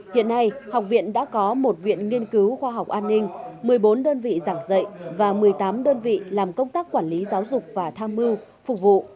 hiện nay học viện đã có một viện nghiên cứu khoa học an ninh một mươi bốn đơn vị giảng dạy và một mươi tám đơn vị làm công tác quản lý giáo dục và tham mưu phục vụ